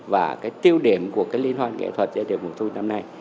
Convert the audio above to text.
và cái tiêu điểm của cái liên hoan nghệ thuật giới thiệu cuộc thu năm nay